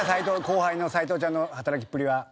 後輩の斎藤ちゃんの働きっぷりは。